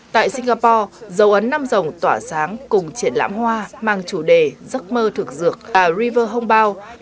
tại singapore dấu ấn năm rồng tỏa sáng cùng triển lãm hoa mang chủ đề giấc mơ thực dược ar river hombou